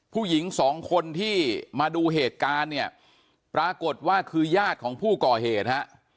ผู้หญิงสองคนที่มาดูเหตุการณ์เนี่ยปรากฏว่าคือญาติของผู้ก่อเหตุฮะ